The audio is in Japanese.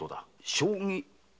「将棋」？